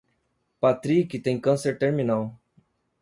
Patrick tem câncer terminal.